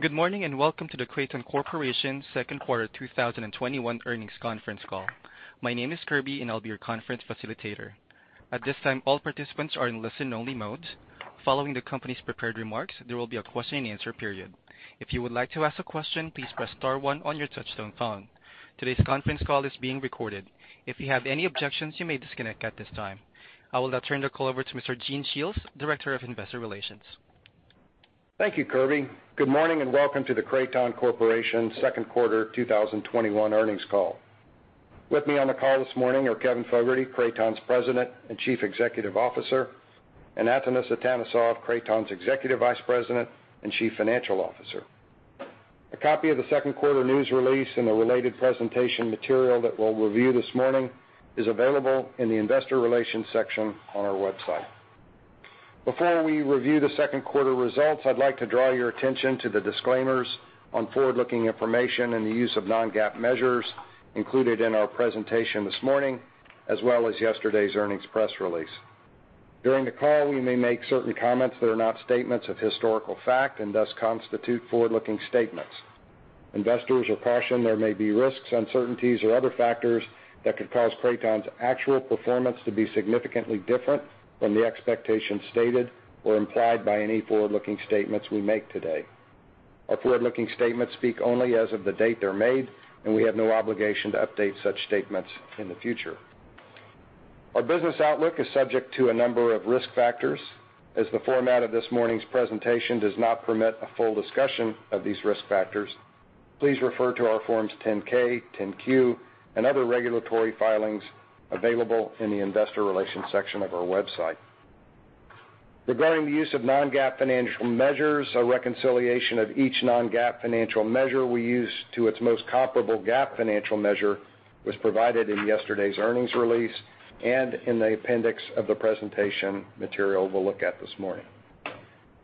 Good morning and welcome to the Kraton Corporation second quarter 2021 earnings conference call. My name is Kirby and I'll be your conference facilitator. At this time, all participants are in listen only mode. Following the company's prepared remarks, there will be a question and answer period. If you would like to ask a question, please press star one on your touchtone phone. Today's conference call is being recorded. If you have any objections, you may disconnect at this time. I will now turn the call over to Mr. Gene Shiels, Director of Investor Relations. Thank you Kirby. Good morning, and welcome to the Kraton Corporation second quarter 2021 earnings call. With me on the call this morning are Kevin Fogarty, Kraton's President and Chief Executive Officer, and Atanas Atanasov, Kraton's Executive Vice President and Chief Financial Officer. A copy of the second quarter news release and the related presentation material that we'll review this morning is available in the investor relations section on our website. Before we review the second quarter results, I'd like to draw your attention to the disclaimers on forward-looking information and the use of non-GAAP measures included in our presentation this morning, as well as yesterday's earnings press release. During the call, we may make certain comments that are not statements of historical fact and thus constitute forward-looking statements. Investors are cautioned there may be risks, uncertainties, or other factors that could cause Kraton's actual performance to be significantly different from the expectations stated or implied by any forward-looking statements we make today. Our forward-looking statements speak only as of the date they're made, and we have no obligation to update such statements in the future. Our business outlook is subject to a number of risk factors. As the format of this morning's presentation does not permit a full discussion of these risk factors, please refer to our Forms 10-K, 10-Q, and other regulatory filings available in the investor relations section of our website. Regarding the use of non-GAAP financial measures, a reconciliation of each non-GAAP financial measure we use to its most comparable GAAP financial measure was provided in yesterday's earnings release and in the appendix of the presentation material we'll look at this morning.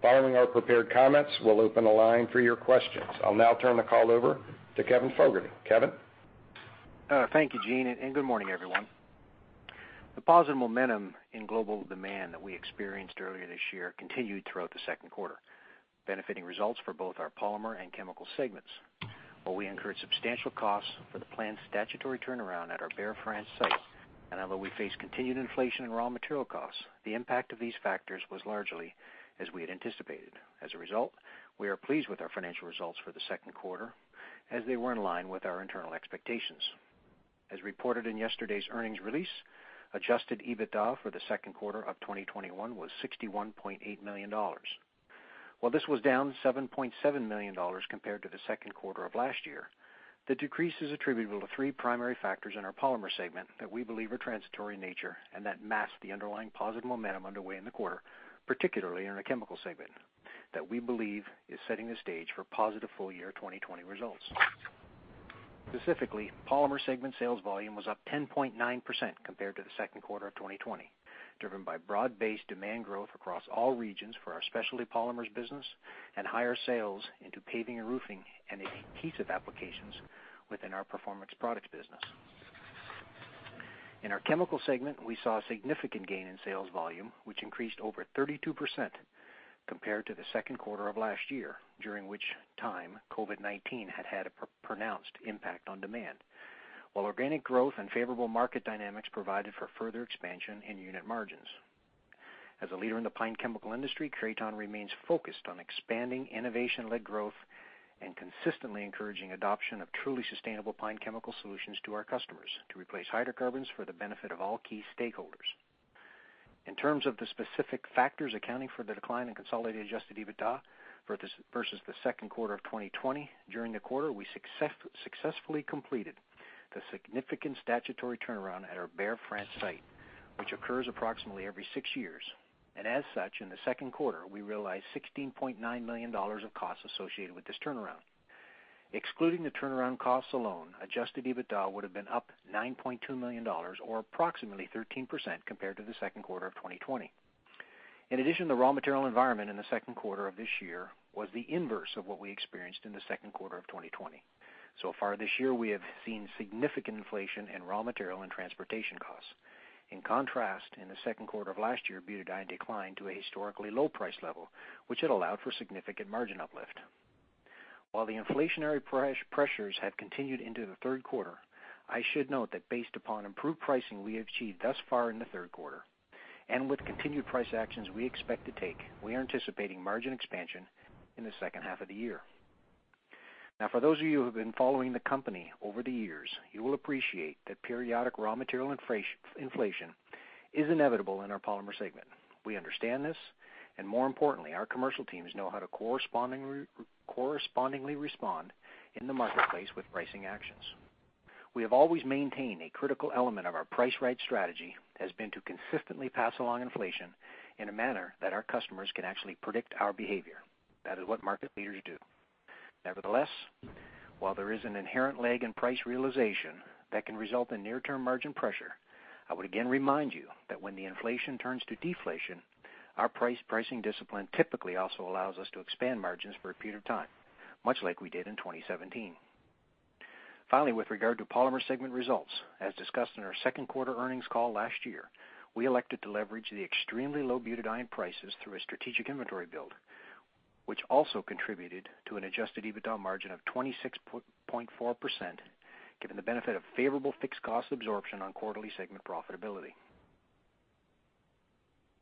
Following our prepared comments, we'll open the line for your questions. I'll now turn the call over to Kevin Fogarty. Kevin? Thank you Gene and good morning everyone. The positive momentum in global demand that we experienced earlier this year continued throughout the second quarter, benefiting results for both our Polymer and Chemical Segments. While we incurred substantial costs for the planned statutory turnaround at our Berre, France site, and although we face continued inflation in raw material costs, the impact of these factors was largely as we had anticipated. As a result, we are pleased with our financial results for the second quarter as they were in line with our internal expectations. As reported in yesterday's earnings release, adjusted EBITDA for the second quarter of 2021 was $61.8 million. While this was down $7.7 million compared to the second quarter of last year, the decrease is attributable to three primary factors in our Polymer Segment that we believe are transitory in nature and that mask the underlying positive momentum underway in the quarter, particularly in our Chemical Segment, that we believe is setting the stage for positive full-year 2020 results. Specifically, Polymer Segment sales volume was up 10.9% compared to the second quarter of 2020, driven by broad-based demand growth across all regions for our specialty polymers business and higher sales into paving and roofing and adhesive applications within our performance products business. In our Chemical Segment, we saw a significant gain in sales volume, which increased over 32% compared to the second quarter of last year, during which time COVID-19 had had a pronounced impact on demand. While organic growth and favorable market dynamics provided for further expansion in unit margins. As a leader in the pine chemical industry, Kraton remains focused on expanding innovation-led growth and consistently encouraging adoption of truly sustainable pine chemical solutions to our customers to replace hydrocarbons for the benefit of all key stakeholders. In terms of the specific factors accounting for the decline in consolidated adjusted EBITDA versus the second quarter of 2020, during the quarter, we successfully completed the significant statutory turnaround at our Berre, France site, which occurs approximately every 6 years. As such, in the second quarter, we realized $16.9 million of costs associated with this turnaround. Excluding the turnaround costs alone, adjusted EBITDA would have been up $9.2 million or approximately 13% compared to the second quarter of 2020. In addition, the raw material environment in the second quarter of this year was the inverse of what we experienced in the second quarter of 2020. Far this year, we have seen significant inflation in raw material and transportation costs. In contrast, in the second quarter of last year, butadiene declined to a historically low price level, which had allowed for significant margin uplift. While the inflationary pressures have continued into the third quarter, I should note that based upon improved pricing we achieved thus far in the third quarter, and with continued price actions we expect to take, we are anticipating margin expansion in the second half of the year. Now for those of you who have been following the company over the years, you will appreciate that periodic raw material inflation is inevitable in our Polymer segment. We understand this, and more importantly, our commercial teams know how to correspondingly respond in the marketplace with pricing actions. We have always maintained a critical element of our price right strategy has been to consistently pass along inflation in a manner that our customers can actually predict our behavior. That is what market leaders do. Nevertheless, while there is an inherent lag in price realization that can result in near-term margin pressure, I would again remind you that when the inflation turns to deflation, our pricing discipline typically also allows us to expand margins for a period of time, much like we did in 2017. With regard to polymer segment results, as discussed in our second quarter earnings call last year, we elected to leverage the extremely low butadiene prices through a strategic inventory build, which also contributed to an adjusted EBITDA margin of 26.4%, given the benefit of favorable fixed cost absorption on quarterly segment profitability.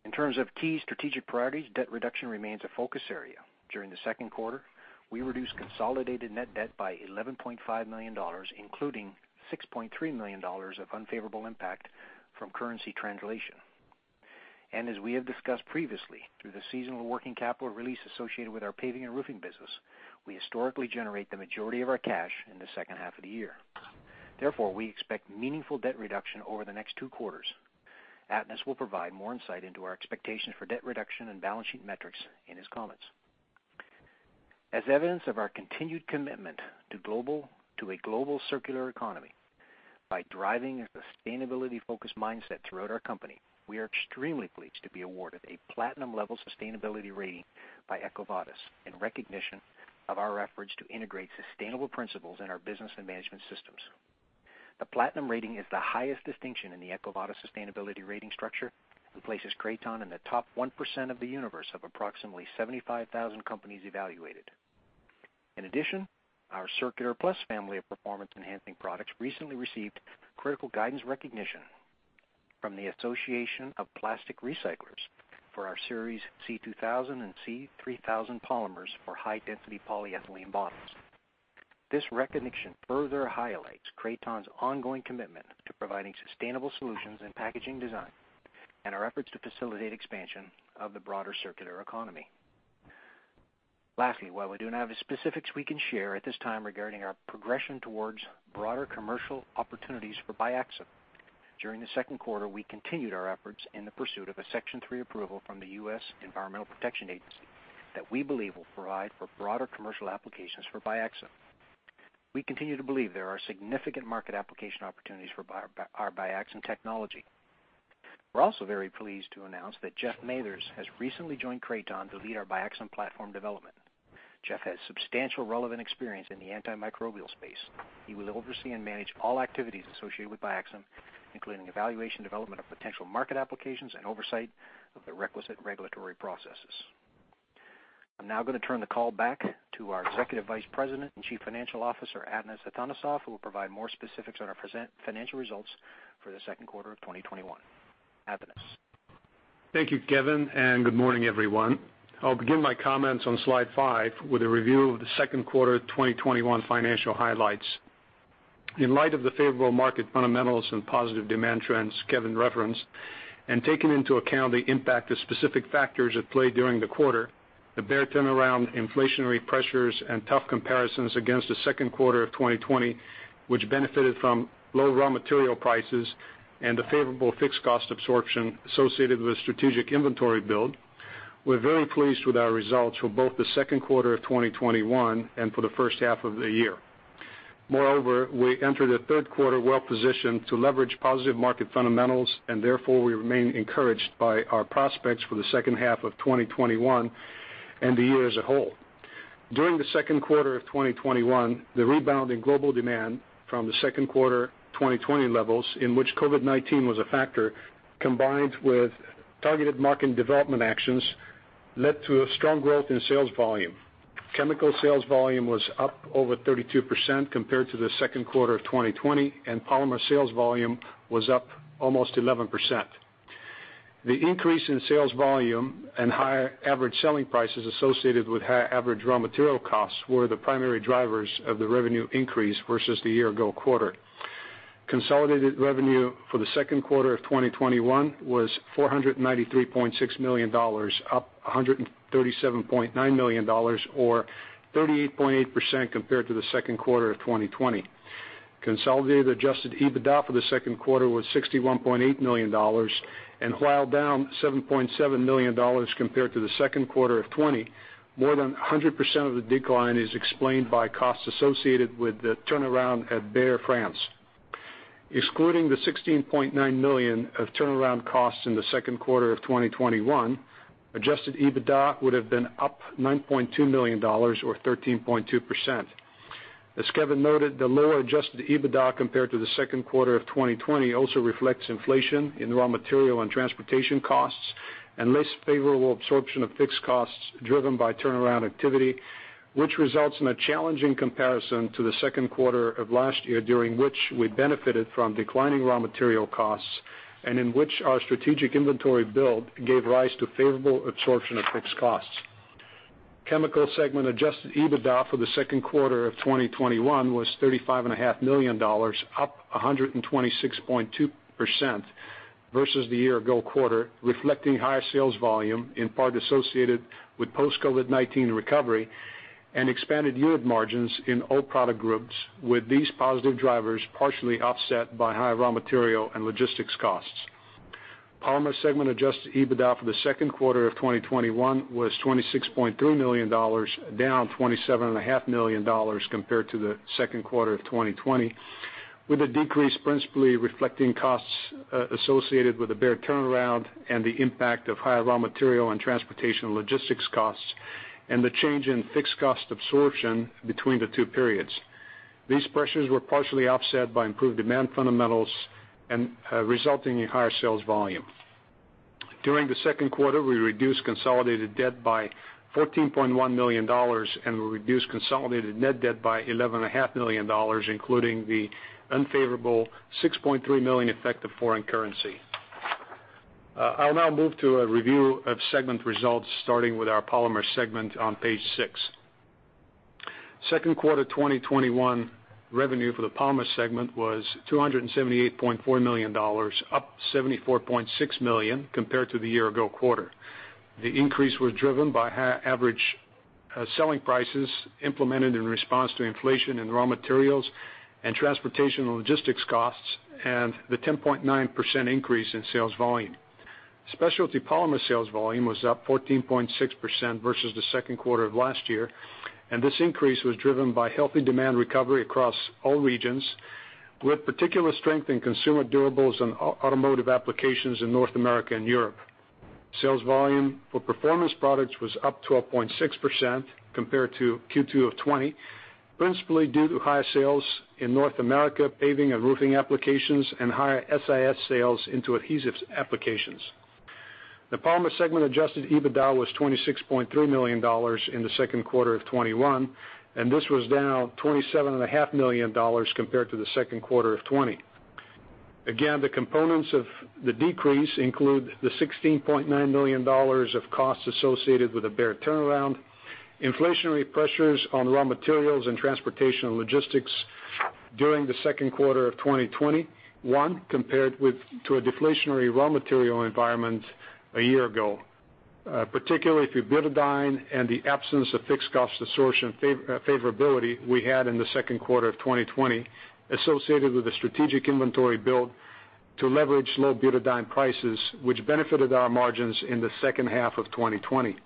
In terms of key strategic priorities, debt reduction remains a focus area. During the second quarter, we reduced consolidated net debt by $11.5 million, including $6.3 million of unfavorable impact from currency translation. As we have discussed previously, through the seasonal working capital release associated with our paving and roofing business, we historically generate the majority of our cash in the second half of the year. Therefore, we expect meaningful debt reduction over the next two quarters. Atanas will provide more insight into our expectations for debt reduction and balance sheet metrics in his comments. As evidence of our continued commitment to a global circular economy by driving a sustainability-focused mindset throughout our company, we are extremely pleased to be awarded a platinum-level sustainability rating by EcoVadis, in recognition of our efforts to integrate sustainable principles in our business and management systems. The platinum rating is the highest distinction in the EcoVadis sustainability rating structure, and places Kraton in the top 1% of the universe of approximately 75,000 companies evaluated. In addition, our CirKular+ family of performance-enhancing products recently received critical guidance recognition from the Association of Plastic Recyclers for our CirKular+ C2000 and CirKular+ C3000 polymers for high-density polyethylene bottles. This recognition further highlights Kraton's ongoing commitment to providing sustainable solutions in packaging design and our efforts to facilitate expansion of the broader circular economy. While we do not have specifics we can share at this time regarding our progression towards broader commercial opportunities for BiaXam, during the second quarter, we continued our efforts in the pursuit of a Section 3 approval from the U.S. Environmental Protection Agency that we believe will provide for broader commercial applications for BiaXam. We continue to believe there are significant market application opportunities for our BiaXam technology. We're also very pleased to announce that Jeff Mathers has recently joined Kraton to lead our BiaXam platform development. Jeff has substantial relevant experience in the antimicrobial space. He will oversee and manage all activities associated with BiaXam, including evaluation, development of potential market applications, and oversight of the requisite regulatory processes. I'm now going to turn the call back to our Executive Vice President and Chief Financial Officer, Atanas Atanasov, who will provide more specifics on our financial results for the second quarter of 2021. Atanas? Thank you Kevin and good morning everyone. I'll begin my comments on slide five with a review of the second quarter 2021 financial highlights. In light of the favorable market fundamentals and positive demand trends Kevin referenced, and taking into account the impact of specific factors at play during the quarter, the Berre turnaround, inflationary pressures, and tough comparisons against the second quarter of 2020, which benefited from low raw material prices and the favorable fixed cost absorption associated with strategic inventory build, we're very pleased with our results for both the second quarter of 2021 and for the first half of the year. Moreover, we enter the third quarter well-positioned to leverage positive market fundamentals, and therefore, we remain encouraged by our prospects for the second half of 2021 and the year as a whole. During the second quarter of 2021, the rebound in global demand from the second quarter 2020 levels, in which COVID-19 was a factor, combined with targeted market development actions, led to a strong growth in sales volume. Chemical sales volume was up over 32% compared to the second quarter of 2020, and polymer sales volume was up almost 11%. The increase in sales volume and higher average selling prices associated with average raw material costs were the primary drivers of the revenue increase versus the year ago quarter. Consolidated revenue for the second quarter of 2021 was $493.6 million, up $137.9 million, or 38.8% compared to the second quarter of 2020. Consolidated adjusted EBITDA for the second quarter was $61.8 million, and while down $7.7 million compared to the second quarter of 2020, more than 100% of the decline is explained by costs associated with the turnaround at Berre, France. Excluding the $16.9 million of turnaround costs in the second quarter of 2021, adjusted EBITDA would have been up $9.2 million, or 13.2%. As Kevin noted, the lower adjusted EBITDA compared to the second quarter of 2020 also reflects inflation in raw material and transportation costs and less favorable absorption of fixed costs driven by turnaround activity, which results in a challenging comparison to the second quarter of last year, during which we benefited from declining raw material costs and in which our strategic inventory build gave rise to favorable absorption of fixed costs. Chemical segment adjusted EBITDA for the second quarter of 2021 was $35.5 million, up 126.2% versus the year ago quarter, reflecting higher sales volume in part associated with post-COVID-19 recovery and expanded yield margins in all product groups, with these positive drivers partially offset by higher raw material and logistics costs. Polymer segment adjusted EBITDA for the second quarter of 2021 was $26.3 million, down $27.5 million compared to the second quarter of 2020. With a decrease principally reflecting costs associated with the Berre turnaround and the impact of higher raw material and transportation logistics costs, and the change in fixed cost absorption between the two periods. These pressures were partially offset by improved demand fundamentals and resulting in higher sales volume. During the second quarter, we reduced consolidated debt by $14.1 million. We reduced consolidated net debt by $11.5 million, including the unfavorable $6.3 million effect of foreign currency. I'll now move to a review of segment results, starting with our Polymers segment on page six. Second quarter 2021 revenue for the Polymers segment was $278.4 million, up $74.6 million compared to the year-ago quarter. The increase was driven by average selling prices implemented in response to inflation in raw materials and transportation logistics costs, and the 10.9% increase in sales volume. Specialty polymer sales volume was up 14.6% versus the second quarter of last year, and this increase was driven by healthy demand recovery across all regions, with particular strength in consumer durables and automotive applications in North America and Europe. Sales volume for performance products was up 12.6% compared to Q2 of 2020, principally due to higher sales in North America paving and roofing applications and higher SIS sales into adhesives applications. The Polymers segment adjusted EBITDA was $26.3 million in the second quarter of 2021, and this was down $27.5 million compared to the second quarter of 2020. Again, the components of the decrease include the $16.9 million of costs associated with the Berre turnaround, inflationary pressures on raw materials and transportation and logistics during the second quarter of 2021, compared to a deflationary raw material environment a year ago. Particularly through butadiene and the absence of fixed cost absorption favorability we had in the second quarter of 2020 associated with the strategic inventory build to leverage low butadiene prices, which benefited our margins in the second half of 2020.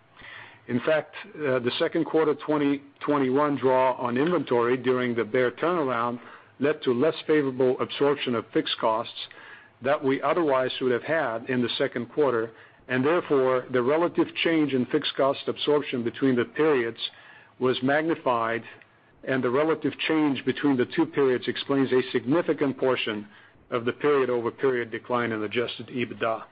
In fact, the second quarter 2021 draw on inventory during the Berre turnaround led to less favorable absorption of fixed costs that we otherwise would have had in the second quarter, and therefore, the relative change in fixed cost absorption between the periods was magnified, and the relative change between the two periods explains a significant portion of the period-over-period decline in adjusted EBITDA.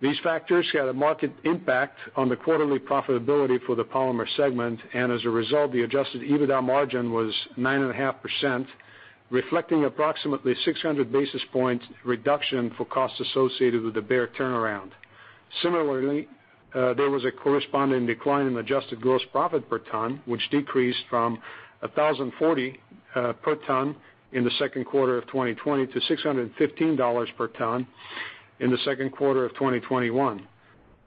These factors had a marked impact on the quarterly profitability for the Polymers segment, and as a result, the adjusted EBITDA margin was 9.5%, reflecting approximately 600 basis points reduction for costs associated with the Berre turnaround. Similarly, there was a corresponding decline in adjusted gross profit per ton, which decreased from $1,040 per ton in the second quarter of 2020 to $615 per ton in the second quarter of 2021.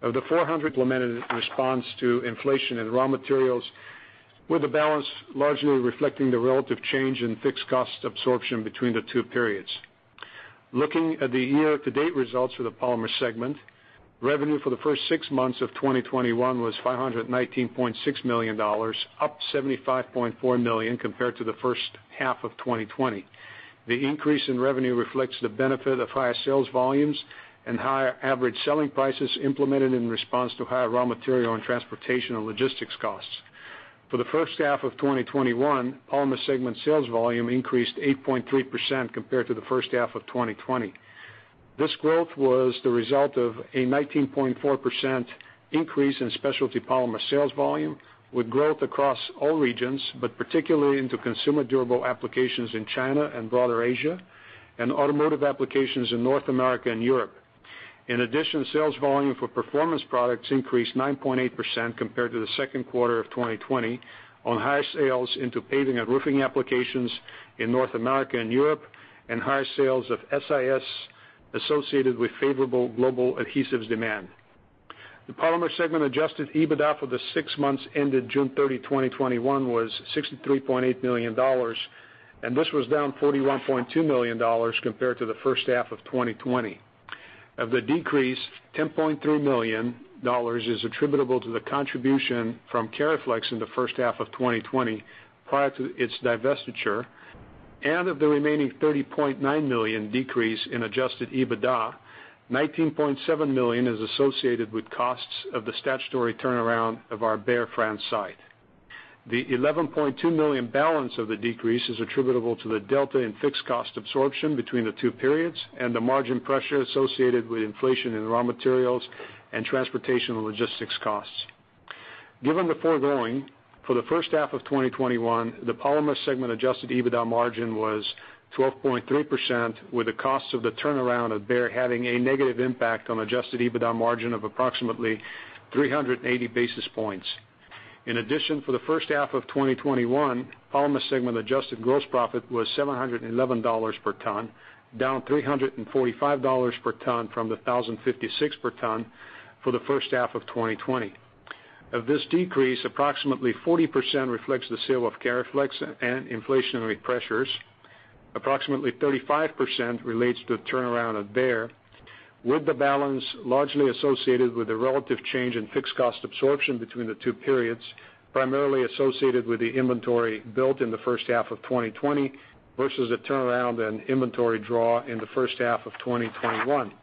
Of the $400 amounted in response to inflation in raw materials, with the balance largely reflecting the relative change in fixed cost absorption between the two periods. Looking at the year-to-date results for the Polymers segment, revenue for the first six months of 2021 was $519.6 million, up $75.4 million compared to the first half of 2020. The increase in revenue reflects the benefit of higher sales volumes and higher average selling prices implemented in response to higher raw material and transportation and logistics costs. For the first half of 2021, Polymers segment sales volume increased 8.3% compared to the first half of 2020. This growth was the result of a 19.4% increase in specialty polymer sales volume, with growth across all regions, but particularly into consumer durable applications in China and broader Asia, and automotive applications in North America and Europe. In addition, sales volume for performance products increased 9.8% compared to the second quarter of 2020 on higher sales into paving and roofing applications in North America and Europe, and higher sales of SIS associated with favorable global adhesives demand. The Polymers Segment adjusted EBITDA for the 6 months ended June 30, 2021, was $63.8 million, this was down $41.2 million compared to the first half of 2020. Of the decrease, $10.3 million is attributable to the contribution from Cariflex in the first half of 2020 prior to its divestiture. Of the remaining $30.9 million decrease in adjusted EBITDA, $19.7 million is associated with costs of the statutory turnaround of our Berre France site. The $11.2 million balance of the decrease is attributable to the delta in fixed cost absorption between the two periods and the margin pressure associated with inflation in raw materials and transportation and logistics costs. Given the foregoing, for the first half of 2021, the Polymers Segment adjusted EBITDA margin was 12.3%, with the cost of the turnaround at Berre having a negative impact on adjusted EBITDA margin of approximately 380 basis points. In addition, for the first half of 2021, Polymers segment adjusted gross profit was $711 per ton, down $345 per ton from the $1,056 per ton for the first half of 2020. Of this decrease, approximately 40% reflects the sale of Cariflex and inflationary pressures. Approximately 35% relates to the turnaround at Berre. With the balance largely associated with the relative change in fixed cost absorption between the two periods, primarily associated with the inventory built in the first half of 2020 versus the turnaround in inventory draw in the first half of 2021.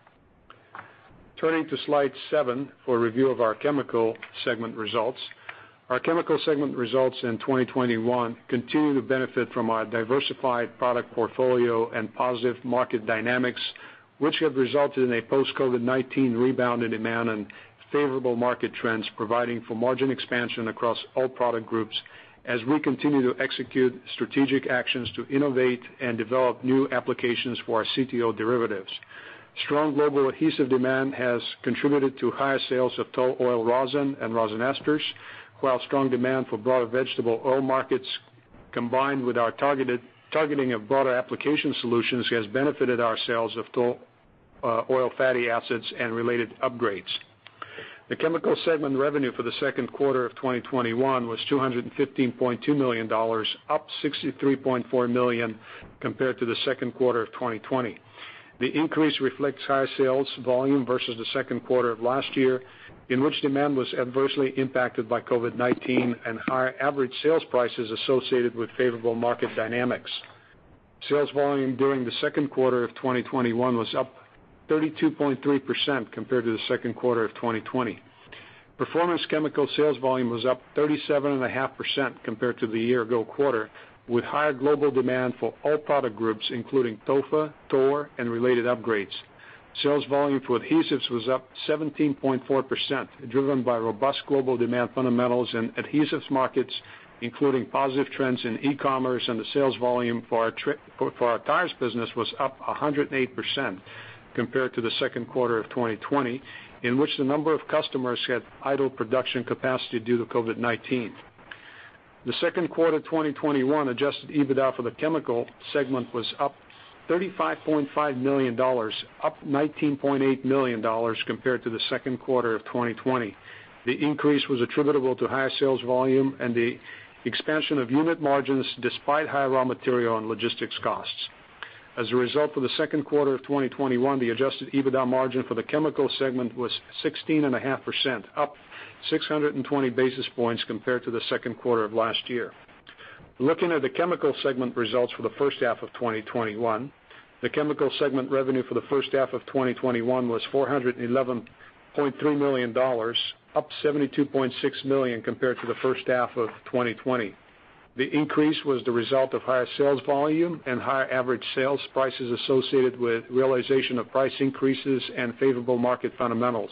Turning to Slide seven for a review of our chemical segment results. Our chemical segment results in 2021 continue to benefit from our diversified product portfolio and positive market dynamics, which have resulted in a post-COVID-19 rebound in demand and favorable market trends, providing for margin expansion across all product groups as we continue to execute strategic actions to innovate and develop new applications for our CTO derivatives. Strong global adhesive demand has contributed to higher sales of tall oil rosin and rosin esters, while strong demand for broader vegetable oil markets, combined with our targeting of broader application solutions, has benefited our sales of tall oil fatty acids and related upgrades. The chemical segment revenue for the second quarter of 2021 was $215.2 million, up $63.4 million compared to the second quarter of 2020. The increase reflects higher sales volume versus the second quarter of last year, in which demand was adversely impacted by COVID-19 and higher average sales prices associated with favorable market dynamics. Sales volume during the second quarter of 2021 was up 32.3% compared to the second quarter of 2020. Performance chemical sales volume was up 37.5% compared to the year ago quarter, with higher global demand for all product groups, including TOFA, TOR, and related upgrades. Sales volume for adhesives was up 17.4%, driven by robust global demand fundamentals in adhesives markets, including positive trends in e-commerce and the sales volume for our tires business was up 108% compared to the second quarter of 2020, in which the number of customers had idle production capacity due to COVID-19. The second quarter 2021 adjusted EBITDA for the chemical segment was up $35.5 million, up $19.8 million compared to the second quarter of 2020. The increase was attributable to higher sales volume and the expansion of unit margins despite high raw material and logistics costs. As a result of the second quarter of 2021, the adjusted EBITDA margin for the chemical segment was 16.5%, up 620 basis points compared to the second quarter of last year. Looking at the chemical segment results for the first half of 2021, the chemical segment revenue for the first half of 2021 was $411.3 million, up $72.6 million compared to the first half of 2020. The increase was the result of higher sales volume and higher average sales prices associated with realization of price increases and favorable market fundamentals.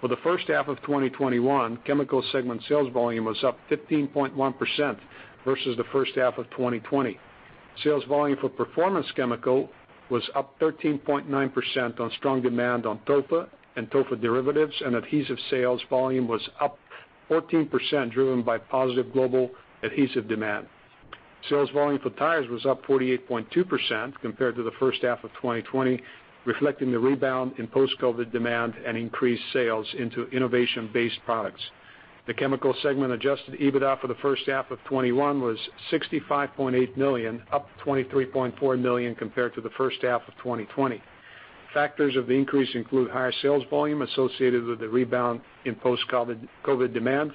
For the first half of 2021, Chemical segment sales volume was up 15.1% versus the first half of 2020. Sales volume for performance chemical was up 13.9% on strong demand on TOFA and TOFA derivatives, and adhesive sales volume was up 14%, driven by positive global adhesive demand. Sales volume for tires was up 48.2% compared to the first half of 2020, reflecting the rebound in post-COVID demand and increased sales into innovation-based products. The Chemical segment adjusted EBITDA for the first half of 2021 was $65.8 million, up $23.4 million compared to the first half of 2020. Factors of the increase include higher sales volume associated with the rebound in post-COVID demand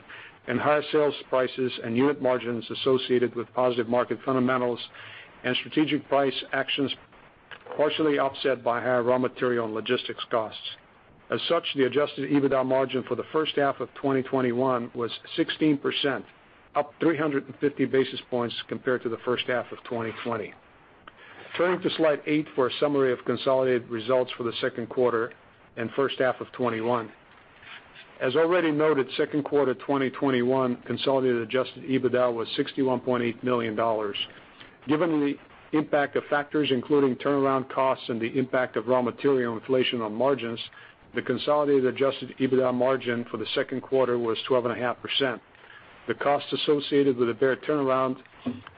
and higher sales prices and unit margins associated with positive market fundamentals and strategic price actions, partially offset by higher raw material and logistics costs. The adjusted EBITDA margin for the first half of 2021 was 16%, up 350 basis points compared to the first half of 2020. Turning to slide eight for a summary of consolidated results for the second quarter and first half of 2021. As already noted, second quarter 2021 consolidated adjusted EBITDA was $61.8 million. Given the impact of factors, including turnaround costs and the impact of raw material inflation on margins, the consolidated adjusted EBITDA margin for the second quarter was 12.5%. The cost associated with a Berre turnaround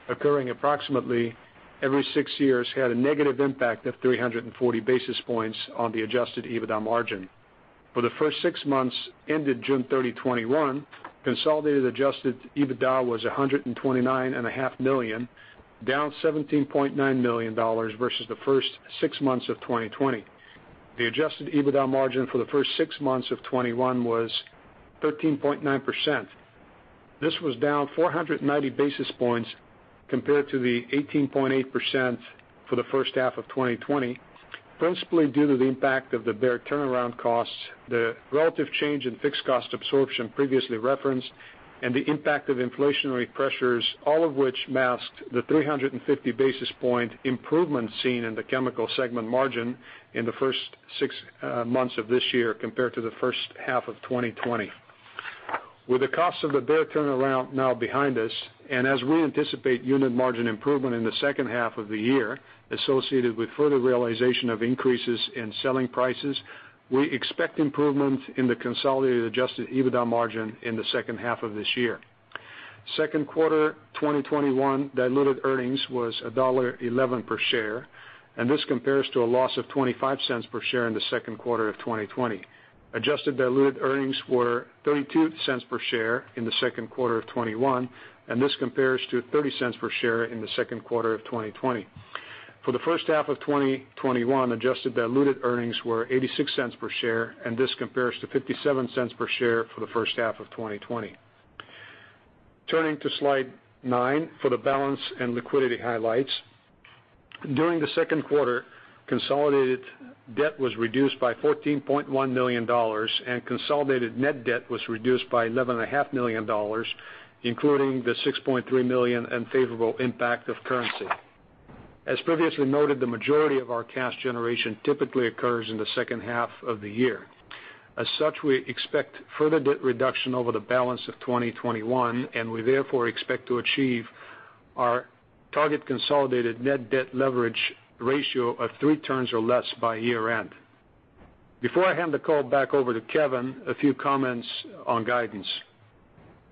occurring approximately every six years had a negative impact of 340 basis points on the adjusted EBITDA margin. For the first six months ended June 30, 2021, consolidated adjusted EBITDA was $129.5 million, down $17.9 million versus the first six months of 2020. The adjusted EBITDA margin for the first six months of 2021 was 13.9%. This was down 490 basis points compared to the 18.8% for the first half of 2020, principally due to the impact of the Berre turnaround costs, the relative change in fixed cost absorption previously referenced, and the impact of inflationary pressures, all of which masked the 350 basis point improvement seen in the chemical segment margin in the first six months of this year compared to the first half of 2020. With the cost of the Berre turnaround now behind us, and as we anticipate unit margin improvement in the second half of the year associated with further realization of increases in selling prices, we expect improvement in the consolidated adjusted EBITDA margin in the second half of this year. Second quarter 2021 diluted earnings was $1.11 per share, and this compares to a loss of $0.25 per share in the second quarter of 2020. Adjusted diluted earnings were $0.32 per share in the second quarter of 2021. This compares to $0.30 per share in the second quarter of 2020. For the first half of 2021, adjusted diluted earnings were $0.86 per share. This compares to $0.57 per share for the first half of 2020. Turning to slide nine for the balance and liquidity highlights. During the second quarter, consolidated debt was reduced by $14.1 million, and consolidated net debt was reduced by $11.5 million, including the $6.3 million unfavorable impact of currency. As previously noted, the majority of our cash generation typically occurs in the second half of the year. As such, we expect further debt reduction over the balance of 2021. We therefore expect to achieve our target consolidated net debt leverage ratio of 3x or less by year-end. Before I hand the call back over to Kevin, a few comments on guidance.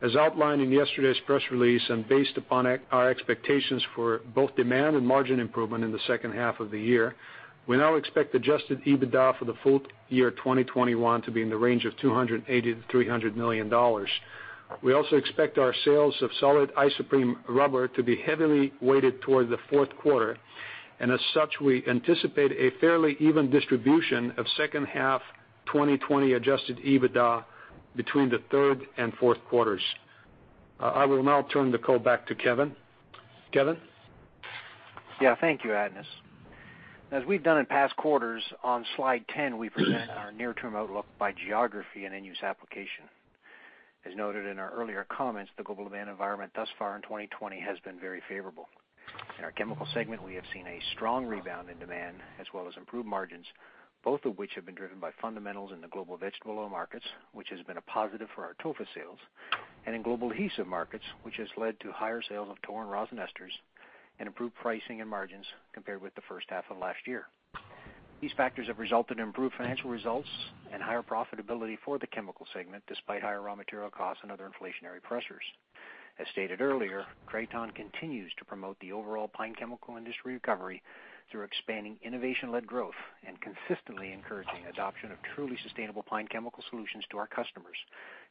As outlined in yesterday's press release and based upon our expectations for both demand and margin improvement in the second half of the year, we now expect adjusted EBITDA for the full year 2021 to be in the range of $280 million-$300 million. We also expect our sales of solid isoprene rubber to be heavily weighted toward the fourth quarter, and as such, we anticipate a fairly even distribution of second half 2020 adjusted EBITDA between the third and fourth quarters. I will now turn the call back to Kevin. Kevin? Thank you Atanas. As we've done in past quarters, on slide 10, we present our near-term outlook by geography and end-use application. As noted in our earlier comments, the global demand environment thus far in 2020 has been very favorable. In our Chemical segment, we have seen a strong rebound in demand as well as improved margins, both of which have been driven by fundamentals in the global vegetable oil markets, which has been a positive for our TOFA sales, and in global adhesive markets, which has led to higher sales of TOR and rosin esters and improved pricing and margins compared with the first half of last year. These factors have resulted in improved financial results and higher profitability for the Chemical segment, despite higher raw material costs and other inflationary pressures. As stated earlier, Kraton continues to promote the overall pine chemical industry recovery through expanding innovation-led growth and consistently encouraging adoption of truly sustainable pine chemical solutions to our customers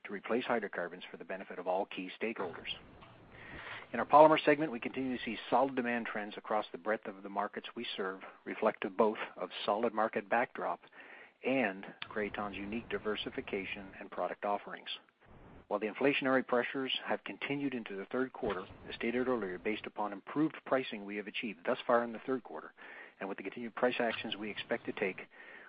to replace hydrocarbons for the benefit of all key stakeholders. In our Polymer segment, we continue to see solid demand trends across the breadth of the markets we serve, reflective both of solid market backdrop and Kraton's unique diversification and product offerings. While the inflationary pressures have continued into the third quarter, as stated earlier, based upon improved pricing we have achieved thus far in the third quarter, and with the continued price actions we expect to take,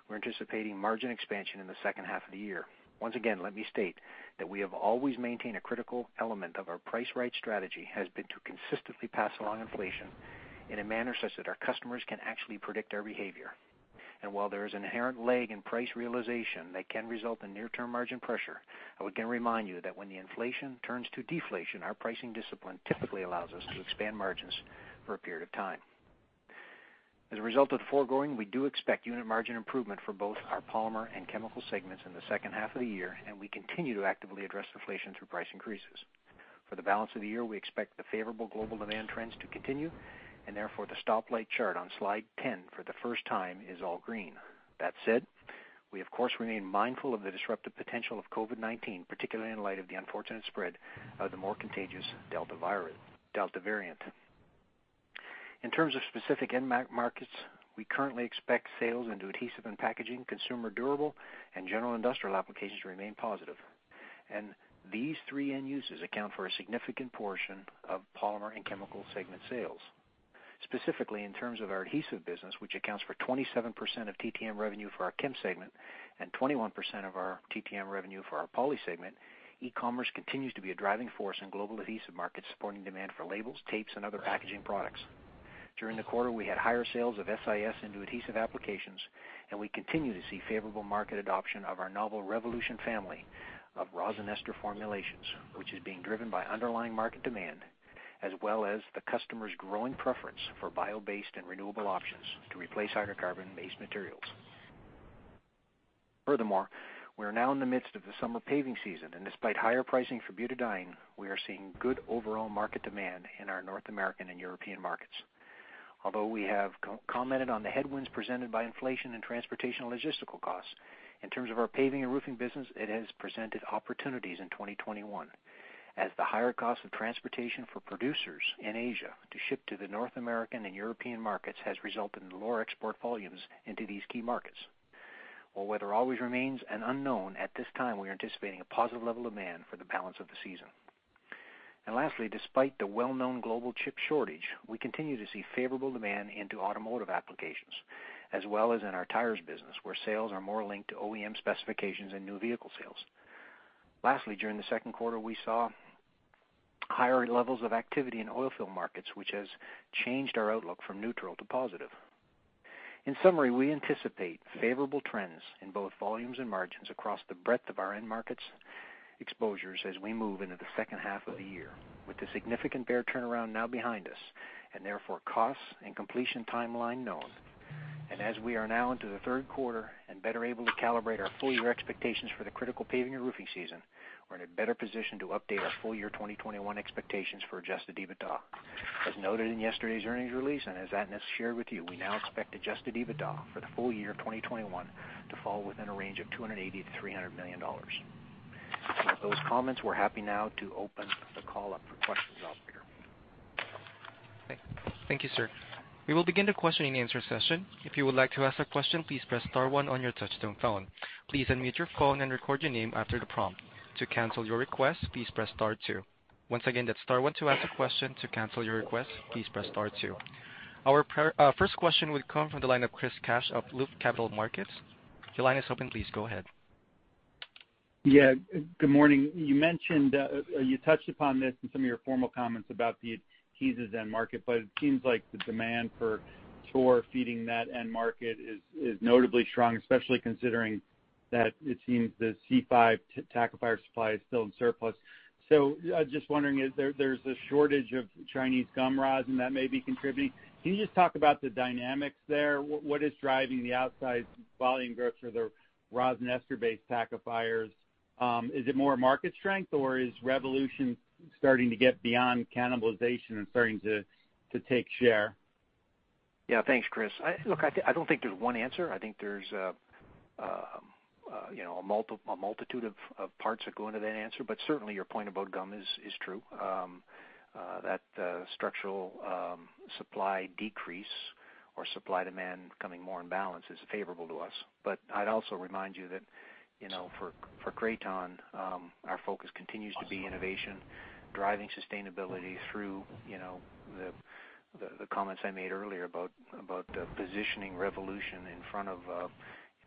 we're anticipating margin expansion in the second half of the year. Once again, let me state that we have always maintained a critical element of our price right strategy has been to consistently pass along inflation in a manner such that our customers can actually predict our behavior. While there is an inherent lag in price realization that can result in near-term margin pressure, I would again remind you that when the inflation turns to deflation, our pricing discipline typically allows us to expand margins for a period of time. As a result of the foregoing, we do expect unit margin improvement for both our Polymer and Chemical segments in the second half of the year, and we continue to actively address inflation through price increases. For the balance of the year, we expect the favorable global demand trends to continue, and therefore, the stoplight chart on slide 10 for the first time is all green. That said, we of course remain mindful of the disruptive potential of COVID-19, particularly in light of the unfortunate spread of the more contagious Delta variant. In terms of specific end markets, we currently expect sales into adhesive and packaging, consumer durable, and general industrial applications to remain positive. These three end uses account for a significant portion of Polymer and Chemical segment sales. Specifically, in terms of our adhesive business, which accounts for 27% of TTM revenue for our Chem segment and 21% of our TTM revenue for our Poly segment, e-commerce continues to be a driving force in global adhesive markets, supporting demand for labels, tapes, and other packaging products. During the quarter, we had higher sales of SIS into adhesive applications, and we continue to see favorable market adoption of our novel REvolution family of rosin ester formulations, which is being driven by underlying market demand as well as the customer's growing preference for bio-based and renewable options to replace hydrocarbon-based materials. Furthermore, we are now in the midst of the summer paving season, and despite higher pricing for butadiene, we are seeing good overall market demand in our North American and European markets. Although we have commented on the headwinds presented by inflation and transportation logistical costs, in terms of our paving and roofing business, it has presented opportunities in 2021 as the higher cost of transportation for producers in Asia to ship to the North American and European markets has resulted in lower export volumes into these key markets. While weather always remains an unknown, at this time, we are anticipating a positive level of demand for the balance of the season. Lastly, despite the well-known global chip shortage, we continue to see favorable demand into automotive applications as well as in our tires business, where sales are more linked to OEM specifications and new vehicle sales. Lastly, during the second quarter, we saw higher levels of activity in oil field markets, which has changed our outlook from neutral to positive. In summary, we anticipate favorable trends in both volumes and margins across the breadth of our end markets exposures as we move into the second half of the year. With the significant Berre turnaround now behind us and therefore costs and completion timeline known, and as we are now into the third quarter and better able to calibrate our full-year expectations for the critical paving and roofing season, we're in a better position to update our full year 2021 expectations for adjusted EBITDA. As noted in yesterday's earnings release, and as Atanas shared with you, we now expect adjusted EBITDA for the full year of 2021 to fall within a range of $280 million-$300 million. Those comments, we're happy now to open the call up for questions, operator. Thank you sir. We will begin the question and answer session. If you would like to ask a question, please press star one on your touchtone phone. Please unmute your phone and record your name after the prompt. To cancel your request, please press star two. Once again, that's star one to ask a question, to cancel your request, please press star two. Our first question will come from the line of Chris Kapsch of Loop Capital Markets. Your line is open. Please go ahead. Yeah good morning. You touched upon this in some of your formal comments about the keys' end market, it seems like the demand for TOR feeding that end market is notably strong, especially considering that it seems the C5 tackifier supply is still in surplus. Just wondering, there's a shortage of Chinese gum rosin that may be contributing. Can you just talk about the dynamics there? What is driving the outsized volume growth for the rosin ester-based tackifiers? Is it more market strength, or is REvolution starting to get beyond cannibalization and starting to take share? Thanks Chris. I don't think there's one answer. I think there's a multitude of parts that go into that answer, certainly your point about gum is true. That structural supply decrease or supply-demand becoming more in balance is favorable to us. I'd also remind you that for Kraton, our focus continues to be innovation, driving sustainability through the comments I made earlier about positioning REvolution in front of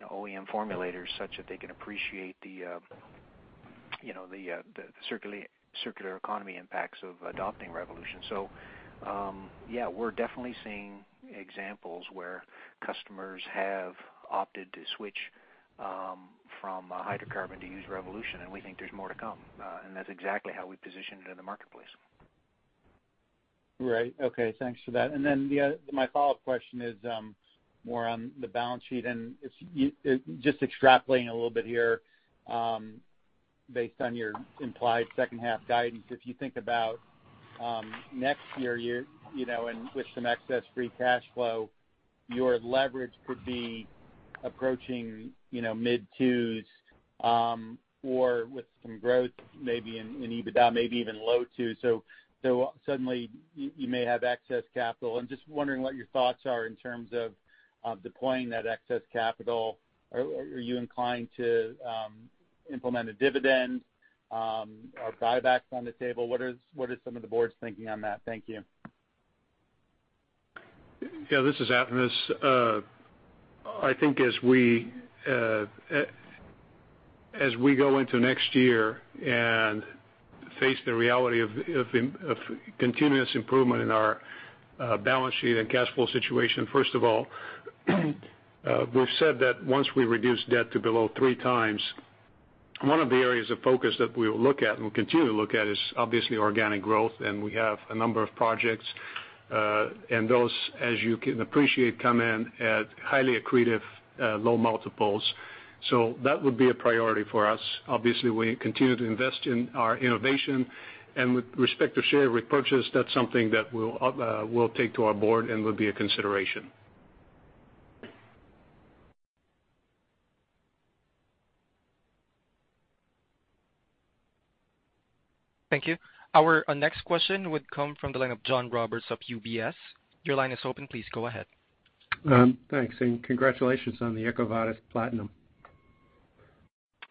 OEM formulators, such that they can appreciate the circular economy impacts of adopting REvolution. We're definitely seeing examples where customers have opted to switch from hydrocarbon to use REvolution, we think there's more to come. That's exactly how we positioned it in the marketplace. Right. Okay. Thanks for that. My follow-up question is more on the balance sheet, just extrapolating a little bit here based on your implied second half guidance. If you think about next year, with some excess free cash flow, your leverage could be approaching mid-2s or with some growth maybe in EBITDA, maybe even low 2s. Suddenly you may have excess capital. I'm just wondering what your thoughts are in terms of deploying that excess capital. Are you inclined to implement a dividend? Are buybacks on the table? What is some of the board's thinking on that? Thank you. Yeah this is Atanas. I think as we go into next year and face the reality of continuous improvement in our balance sheet and cash flow situation, first of all, we've said that once we reduce debt to below 3 times, one of the areas of focus that we will look at and will continue to look at is obviously organic growth, and we have a number of projects. Those, as you can appreciate, come in at highly accretive low multiples. That would be a priority for us. Obviously, we continue to invest in our innovation. With respect to share repurchase, that's something that we'll take to our board and will be a consideration. Thank you. Our next question would come from the line of John Roberts of UBS. Your line is open. Please go ahead. Thanks and congratulations on the EcoVadis Platinum.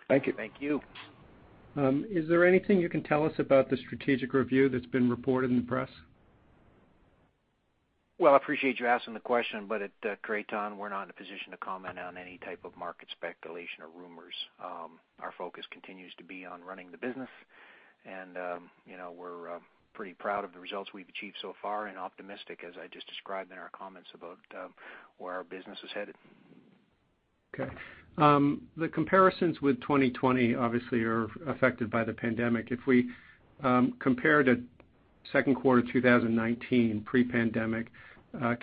Thank you. Thank you. Is there anything you can tell us about the strategic review that's been reported in the press? I appreciate you asking the question but at Kraton, we're not in a position to comment on any type of market speculation or rumors. Our focus continues to be on running the business, and we're pretty proud of the results we've achieved so far and optimistic, as I just described in our comments, about where our business is headed. Okay. The comparisons with 2020 obviously are affected by the pandemic. If we compare to second quarter 2019, pre-pandemic,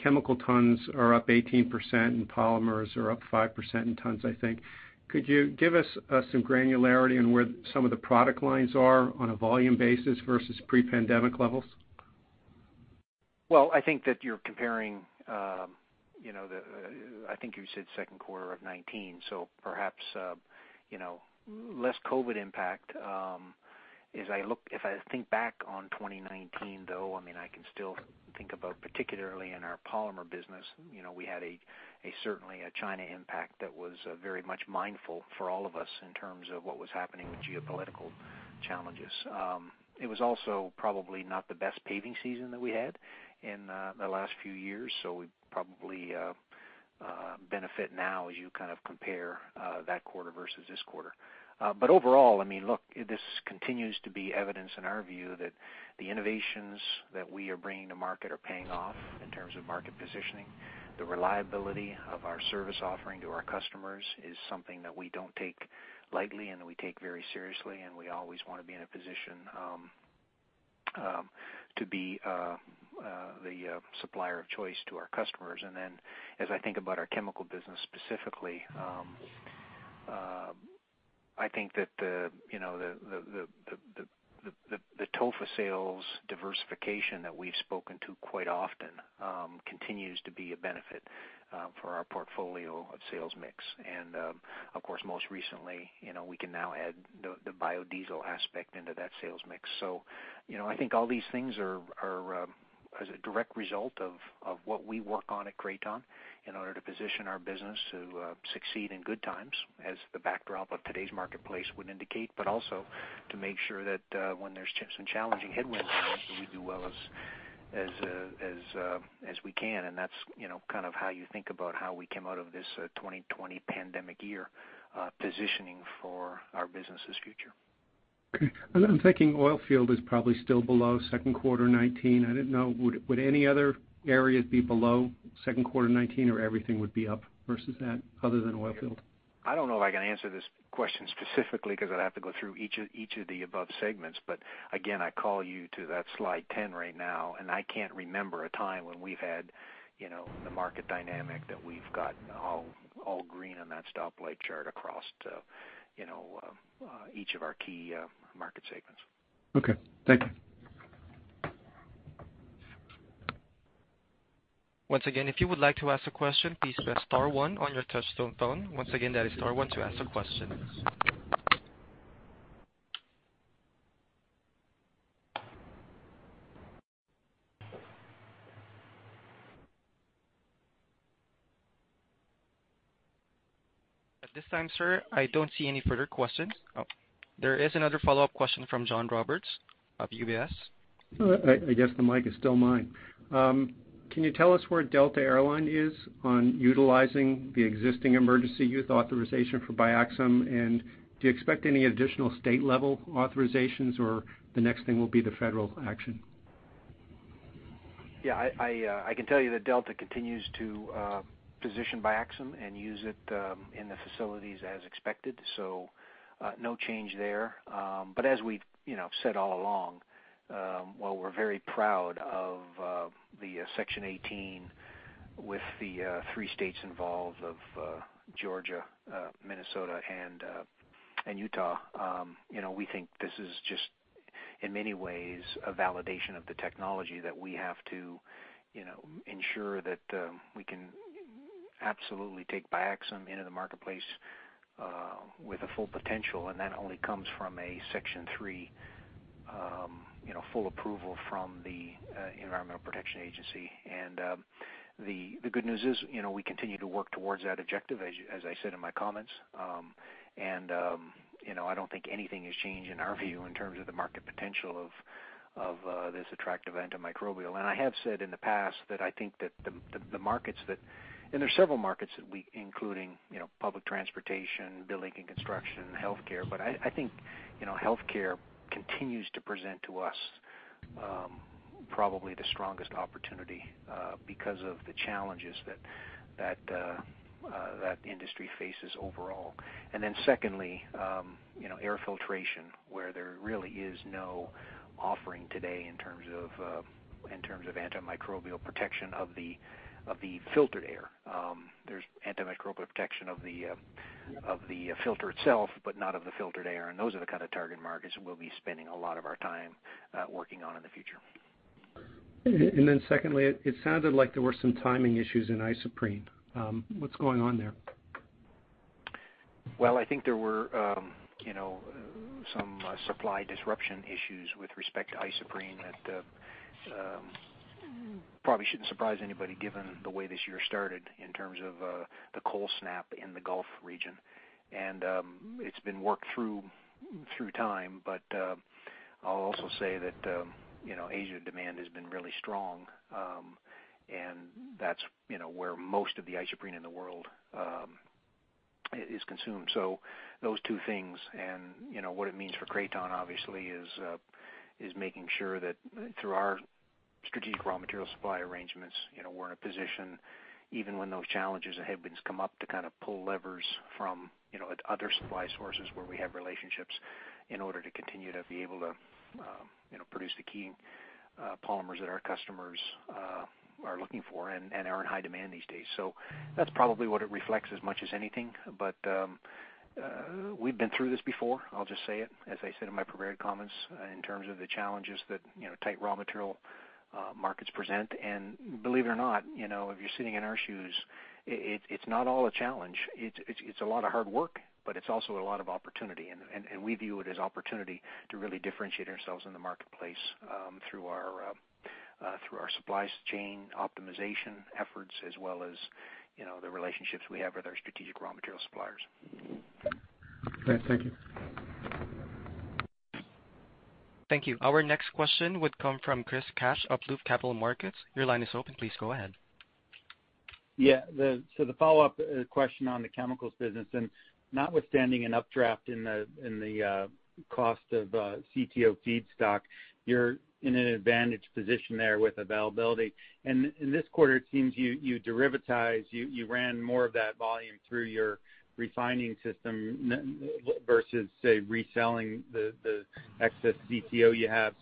chemical tons are up 18%, and polymers are up 5% in tons, I think. Could you give us some granularity on where some of the product lines are on a volume basis versus pre-pandemic levels? I think that you're comparing, I think you said second quarter of 2019, so perhaps less COVID impact. If I think back on 2019, though, I can still think about particularly in our polymer business, we had certainly a China impact that was very much mindful for all of us in terms of what was happening with geopolitical challenges. It was also probably not the best paving season that we had in the last few years, so we probably benefit now as you compare that quarter versus this quarter. Overall, look, this continues to be evidence in our view that the innovations that we are bringing to market are paying off in terms of market positioning. The reliability of our service offering to our customers is something that we don't take lightly and that we take very seriously, and we always want to be in a position to be the supplier of choice to our customers. Then as I think about our chemical business specifically, I think that the TOFA sales diversification that we've spoken to quite often continues to be a benefit for our portfolio of sales mix. Of course, most recently, we can now add the biodiesel aspect into that sales mix. I think all these things are as a direct result of what we work on at Kraton in order to position our business to succeed in good times, as the backdrop of today's marketplace would indicate, but also to make sure that when there's some challenging headwinds, we do well as we can. That's kind of how you think about how we came out of this 2020 pandemic year, positioning for our business's future. Okay. I'm thinking oil field is probably still below second quarter 2019. I didn't know, would any other areas be below second quarter 2019, or everything would be up versus that other than oil field? I don't know if I can answer this question specifically because I'd have to go through each of the above segments. Again, I call you to that slide 10 right now, and I can't remember a time when we've had the market dynamic that we've gotten all green on that stoplight chart across each of our key market segments. Okay thank you. Once again if you would like to ask a question, please press star one on your touchtone phone. Once again there is time to answer questions. At this time, sir, I don't see any further questions. Oh, there is another follow-up question from John Roberts of UBS. I guess the mic is still mine. Can you tell us where Delta Air Lines is on utilizing the existing emergency use authorization for BiaXam? Do you expect any additional state-level authorizations, or the next thing will be the federal action? Yeah, I can tell you that Delta continues to position BiaXam and use it in the facilities as expected, so no change there. As we've said all along, while we're very proud of the Section 18 with the three states involved of Georgia, Minnesota, and Utah. We think this is just, in many ways, a validation of the technology that we have to ensure that we can absolutely take BiaXam into the marketplace with a full potential, and that only comes from a Section 3 full approval from the Environmental Protection Agency. The good news is we continue to work towards that objective, as I said in my comments. I don't think anything has changed in our view in terms of the market potential of this attractive antimicrobial. I have said in the past that I think that the markets, there's several markets, including public transportation, building and construction, and healthcare. I think healthcare continues to present to us probably the strongest opportunity because of the challenges that industry faces overall. Secondly, air filtration, where there really is no offering today in terms of antimicrobial protection of the filtered air. There's antimicrobial protection of the filter itself, but not of the filtered air, and those are the kind of target markets we'll be spending a lot of our time working on in the future. Secondly, it sounded like there were some timing issues in isoprene. What's going on there? Well, I think there were some supply disruption issues with respect to Isoprene that probably shouldn't surprise anybody given the way this year started in terms of the cold snap in the Gulf region. It's been worked through time. I'll also say that Asia demand has been really strong, and that's where most of the Isoprene in the world is consumed. Those two things and what it means for Kraton, obviously, is making sure that through our strategic raw material supply arrangements, we're in a position, even when those challenges and headwinds come up, to kind of pull levers from other supply sources where we have relationships in order to continue to be able to produce the key polymers that our customers are looking for and are in high demand these days. That's probably what it reflects as much as anything. We've been through this before, I'll just say it. As I said in my prepared comments, in terms of the challenges that tight raw material markets present. Believe it or not, if you're sitting in our shoes, it's not all a challenge. It's a lot of hard work, but it's also a lot of opportunity, and we view it as opportunity to really differentiate ourselves in the marketplace through our supply chain optimization efforts as well as the relationships we have with our strategic raw material suppliers. Great. Thank you. Thank you. Our next question would come from Chris Kapsch of Loop Capital Markets. Your line is open. Please go ahead. The follow-up question on the chemicals business, notwithstanding an updraft in the cost of CTO feedstock, you're in an advantaged position there with availability. In this quarter, it seems you derivatized, you ran more of that volume through your refining system versus, say, reselling the excess CTO you have.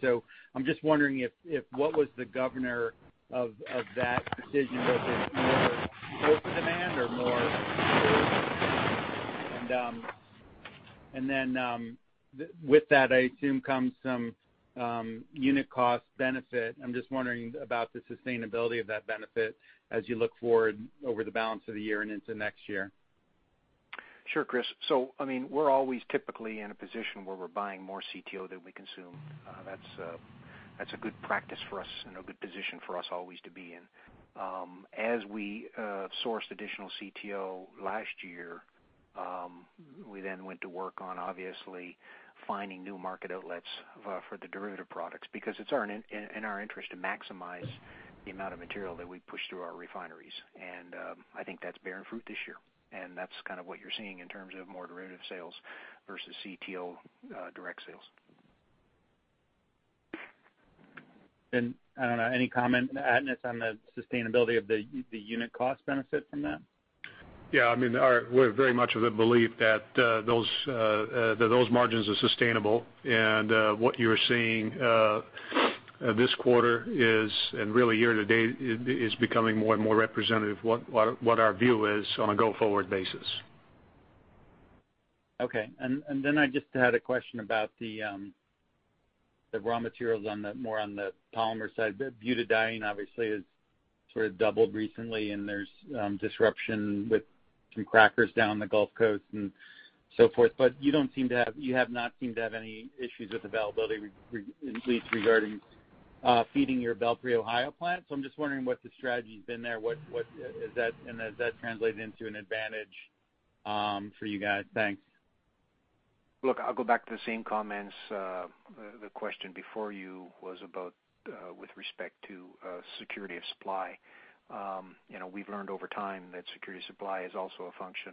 I'm just wondering who was the governor of that decision? Was it more over demand? With that, I assume comes some unit cost benefit. I'm just wondering about the sustainability of that benefit as you look forward over the balance of the year and into next year. Sure Chris. We're always typically in a position where we're buying more CTO than we consume. That's a good practice for us and a good position for us always to be in. As we sourced additional CTO last year, we then went to work on obviously finding new market outlets for the derivative products, because it's in our interest to maximize the amount of material that we push through our refineries. I think that's bearing fruit this year, and that's kind of what you're seeing in terms of more derivative sales versus CTO direct sales. I don't know, any comment Atanas Atanasov on the sustainability of the unit cost benefit from that? Yeah, we're very much of the belief that those margins are sustainable. What you're seeing this quarter is, and really year to date, is becoming more and more representative of what our view is on a go forward basis. Okay. I just had a question about the raw materials more on the polymer side. Butadiene obviously has sort of doubled recently and there's disruption with some crackers down the Gulf Coast and so forth, you have not seemed to have any issues with availability, at least regarding feeding your Belpre, Ohio plant. I'm just wondering what the strategy's been there. Has that translated into an advantage for you guys? Thanks. Look, I'll go back to the same comments. The question before you was about with respect to security of supply. We've learned over time that security of supply is also a function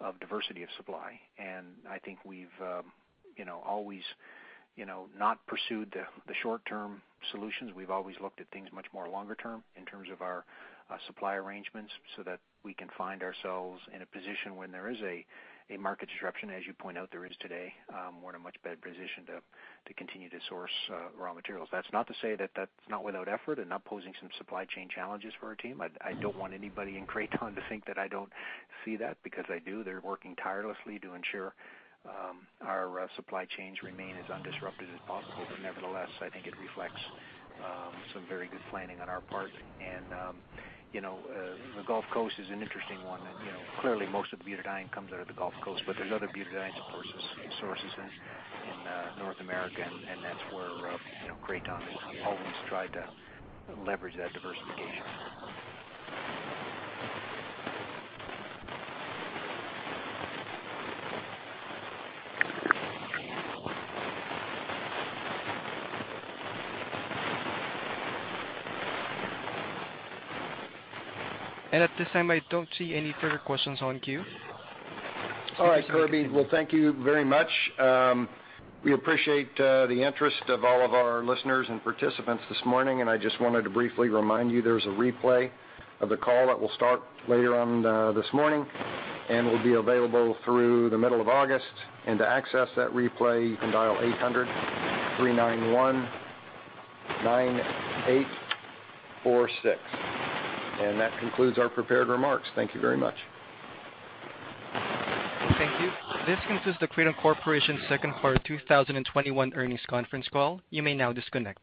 of diversity of supply. I think we've always not pursued the short-term solutions. We've always looked at things much more longer term in terms of our supply arrangements so that we can find ourselves in a position when there is a market disruption, as you point out there is today, we're in a much better position to continue to source raw materials. That's not to say that that's not without effort and not posing some supply chain challenges for our team. I don't want anybody in Kraton to think that I don't see that, because I do. They're working tirelessly to ensure our supply chains remain as undisrupted as possible. Nevertheless, I think it reflects some very good planning on our part. The Gulf Coast is an interesting one. Clearly, most of the butadiene comes out of the Gulf Coast, but there's other butadiene sources in North America, and that's where Kraton has always tried to leverage that diversification. At this time I don't see any further questions on queue. All right Kirby. Well, thank you very much. We appreciate the interest of all of our listeners and participants this morning, and I just wanted to briefly remind you there's a replay of the call that will start later on this morning and will be available through the middle of August. To access that replay, you can dial 800-391-9846. That concludes our prepared remarks. Thank you very much. Thank you. This concludes the Kraton Corporation second quarter 2021 earnings conference call. You may now disconnect.